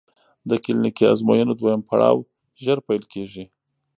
د کلینیکي ازموینو دویم پړاو ژر پیل کېږي.